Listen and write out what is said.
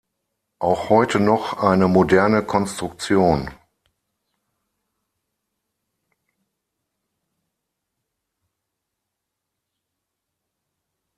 Auch heute noch eine moderne Konstruktion.